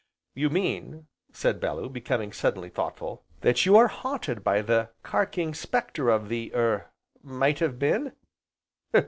"You mean," said Bellew, becoming suddenly thoughtful, "that you are haunted by the Carking Spectre of the er Might Have Been?"